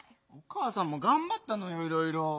かあさんもがんばったのよいろいろ。